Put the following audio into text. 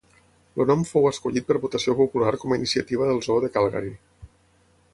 El nom fou escollit per votació popular com a iniciativa del Zoo de Calgary.